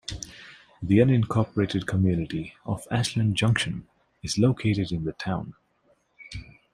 The unincorporated community of Ashland Junction is located in the town.